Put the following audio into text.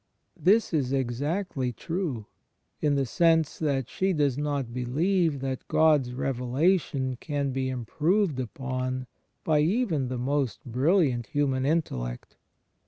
This is exactly true, in the sense that she does not believe that God's Revela tion can be improved upon by even the most brilliant human intellect.